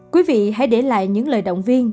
quý vị hãy để lại những lời động viên